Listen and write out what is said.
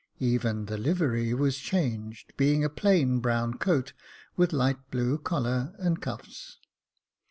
Even the livery was 276 Jacob Faithful changed, being a plain brown coat, with light blue collar and cuffs.